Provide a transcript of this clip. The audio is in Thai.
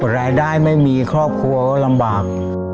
รายได้ไม่มีครอบครัวก็ลำบาก